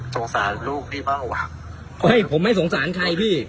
สงสารลูกพี่บ้างกว่าเฮ้ยผมไม่สงสารใครพี่